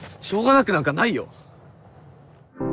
しょうがなくなんかないよ！